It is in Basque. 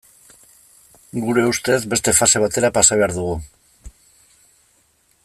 Gure ustez, beste fase batera pasa behar dugu.